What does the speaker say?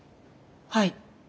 はい。